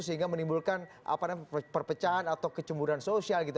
sehingga menimbulkan perpecahan atau kecemburan sosial gitu